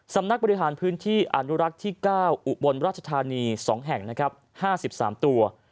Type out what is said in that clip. สำนักบริหารพื้นที่อนุรักษ์ที่๙อุบลราชธานี๒แห่งนะครับ๕๓ตัว